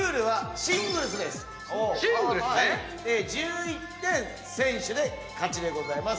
１１点先取で勝ちでございます。